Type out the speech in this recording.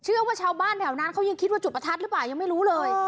ชาวบ้านแถวนั้นเขายังคิดว่าจุดประทัดหรือเปล่ายังไม่รู้เลย